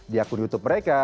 di akun youtube mereka